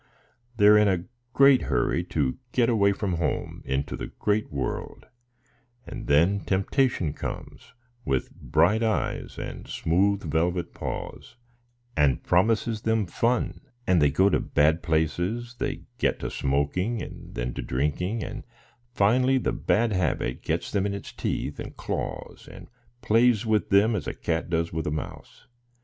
They are in a great hurry to get away from home into the great world; and then temptation comes, with bright eyes and smooth velvet paws, and promises them fun; and they go to bad places; they get to smoking, and then to drinking; and, finally, the bad habit gets them in its teeth and claws, and plays with them as a cat does with a mouse.